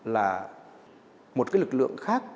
là một cái lực lượng khác